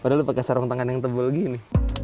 padahal lo pakai sarung tangan yang tebal gini